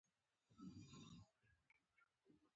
دخوا خوګۍ